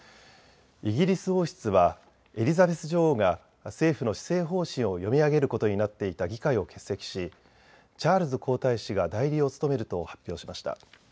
イギリス王室はエリザベス女王が政府の施政方針を読み上げることになっていた議会を欠席しチャールズ皇太子が代理を務めると発表しました。